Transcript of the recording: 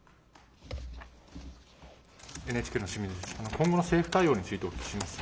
今後の政府対応についてお聞きします。